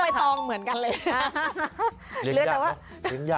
อะไรตองเหมือนกันเลย